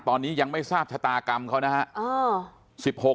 ตอนนี้ยังไม่ทราบชะตากรรมเขานะครับ